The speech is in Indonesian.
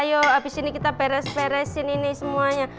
ayo abis ini kita beres beresin ini semuanya